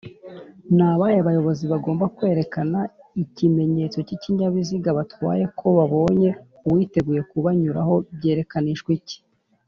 Nabahe bayobozi bagomba kwerekana ikimenyetso cy’ikinyabiziga batwaye ko babonye uwiteguye kubanyuranaho byerekanishwa iki